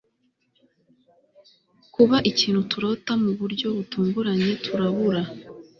Kuba ikintu turota Mu buryo butunguranye turabura